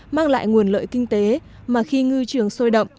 mang lại nguồn lợi kinh tế mà khi ngư trường sôi động